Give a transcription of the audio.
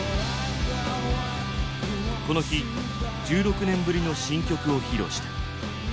この日１６年ぶりの新曲を披露した。